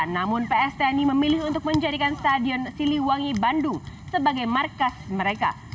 namun pstni memilih untuk menjadikan stadion siliwangi bandung sebagai markas mereka